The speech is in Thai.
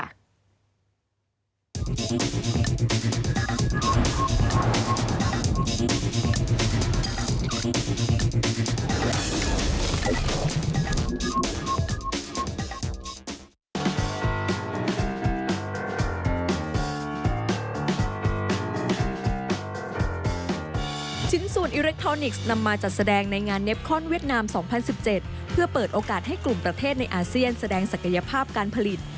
อาเซียนแสดงศักยภาพการผลิต